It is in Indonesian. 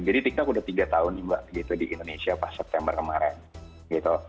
jadi tiktok udah tiga tahun mbak di indonesia pas september kemarin